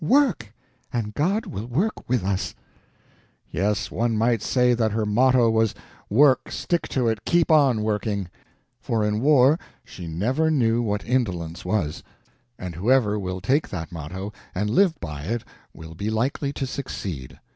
work! and God will work with us!" Yes, one might say that her motto was "Work! stick to it; keep on working!" for in war she never knew what indolence was. And whoever will take that motto and live by it will likely to succeed.